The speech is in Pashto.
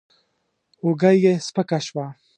اوږه يې سپکه شوه.